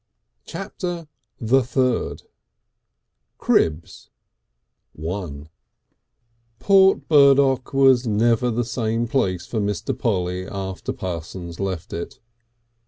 Chapter the Third Cribs I Port Burdock was never the same place for Mr. Polly after Parsons had left it.